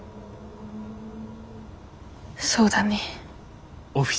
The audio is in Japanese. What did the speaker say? そうだね。